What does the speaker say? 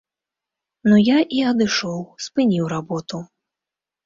Ну я і адышоў, спыніў работу.